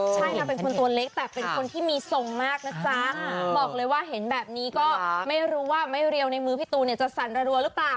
ใช่นะเป็นคนตัวเล็กแต่เป็นคนที่มีทรงมากนะจ๊ะบอกเลยว่าเห็นแบบนี้ก็ไม่รู้ว่าไม่เรียวในมือพี่ตูนเนี่ยจะสั่นระรัวหรือเปล่า